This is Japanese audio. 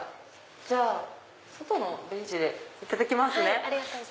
じゃあ外のベンチでいただきますね。